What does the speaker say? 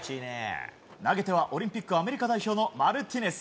投げてはオリンピックアメリカ代表のマルティネス。